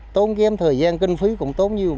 tốn kiếm thời gian kinh phí cũng tốn nhiều